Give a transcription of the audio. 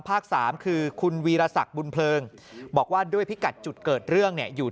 ภาค๓คือคุณวีรสักบุญเพลิงบอกว่าด้วยพิกัดจุดเกิดเรื่องอยู่